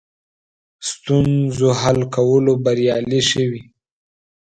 ستونزو حل کولو بریالي شوي.